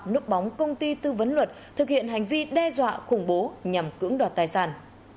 núp bóng công ty tư vấn luật thực hiện hành vi đe dọa khủng bố nhằm cưỡng đoạt tài sản